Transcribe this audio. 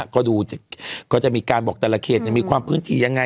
ก็ดูก็จะมีการบอกแต่ละเขตมีความพื้นที่ยังไง